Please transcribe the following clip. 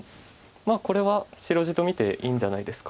これは白地と見ていいんじゃないですか？